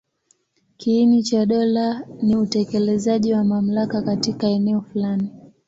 Kiini cha dola ni utekelezaji wa mamlaka katika eneo fulani.